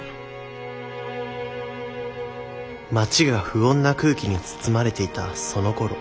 町が不穏な空気に包まれていたそのころ